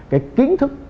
cái kiến thức